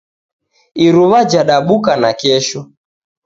Iruwa jadabuka nakesho.